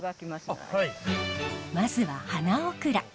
まずは花オクラ。